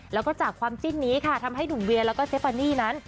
แล้วก็จากความจิ้นนี้ค่ะทำให้หนุ่มเวียแล้วก็เซฟานี่นั้น